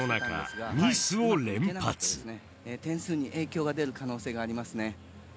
点数に影響が出る可能性がありますね。